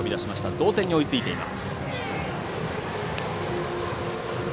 同点に追いついています。